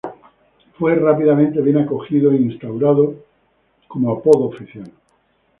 Fue rápidamente bien acogido e instaurado como apodo oficial.